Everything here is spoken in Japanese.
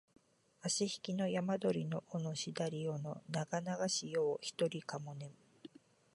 あしひきの山鳥の尾のしだり尾のながながし夜をひとりかも寝む